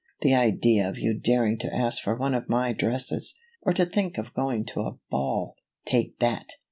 The idea of you daring to ask for one of my dresses, or to think of going to a ball! Take that!